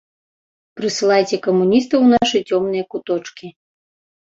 Прысылайце камуністаў у нашы цёмныя куточкі.